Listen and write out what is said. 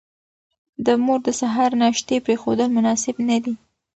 د مور د سهار ناشتې پرېښودل مناسب نه دي.